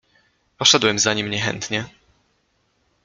"Poszedłem za nim niechętnie."